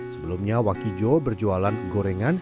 sebelumnya wakijo berjualan gorengan